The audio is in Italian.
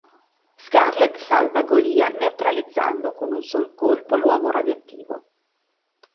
Scarlet salva Golia neutralizzando con un sol colpo l'Uomo Radioattivo.